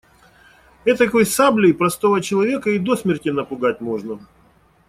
Этакой саблей простого человека и до смерти напугать можно.